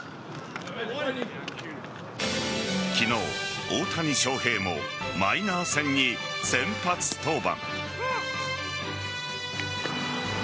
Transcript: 昨日、大谷翔平もマイナー戦に先発登板。